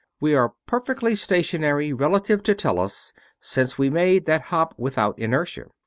"We are perfectly stationary relative to Tellus, since we made that hop without inertia.